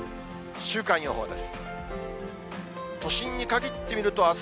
週間予報です。